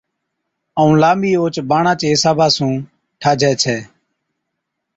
ائُون لانٻِي اوھچ باڻا چي حصابا سُون ٺاهجَي ڇَي